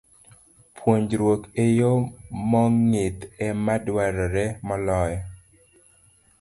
Puonjruok e yo mong'ith ema dwarore moloyo.